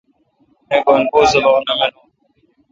می گن پو سبق نہ مانون۔